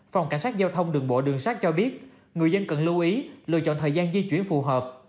phòng cảnh sát giao thông đường bộ đường sát cho biết người dân cần lưu ý lựa chọn thời gian di chuyển phù hợp